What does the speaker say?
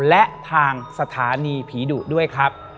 และทางสถานีผีดุด้วยครับ